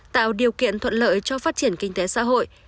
tạo điều kiện thuận lợi cho phát triển kinh tế xã hội